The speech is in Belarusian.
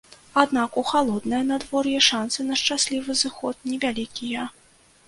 Аднак у халоднае надвор'е шансы на шчаслівы зыход невялікія.